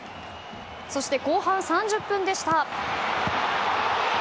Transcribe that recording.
そして後半３０分でした。